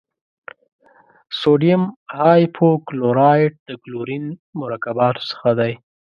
سوډیم هایپو کلورایټ د کلورین مرکباتو څخه دی.